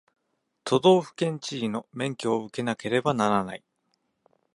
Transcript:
都道府県知事の免許を受けなければならない